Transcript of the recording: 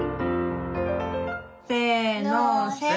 せのせ。